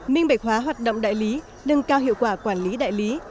minh bạch hóa hoạt động đại lý nâng cao hiệu quả quản lý đại lý